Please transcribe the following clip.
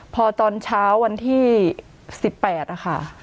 พอตอนเช้าวันที่๑๘นะคะ